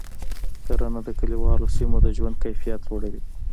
کرنه د کلیوالو سیمو د ژوند کیفیت لوړوي.